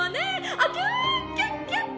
あっキュキュッキュッ！」。